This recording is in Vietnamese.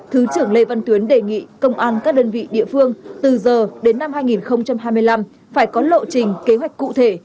thứ trưởng lê văn tuyến đề nghị công an các đơn vị địa phương từ giờ đến năm hai nghìn hai mươi năm phải có lộ trình kế hoạch cụ thể